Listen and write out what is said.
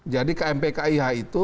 jadi kmp kih itu